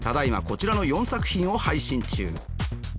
こちらの４作品を配信中。